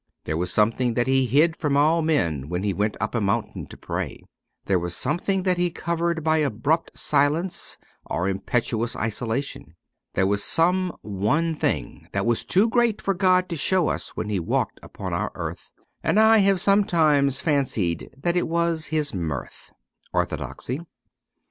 There was something that He hid from all men when He went up a mountain to pray. There was something that He covered by abrupt silence or impetuous isolation. There was some one thing that was too great for God to show us when He walked upon our earth, and I have sometimes fancied that it was His mirth. ' Orthodoxy.'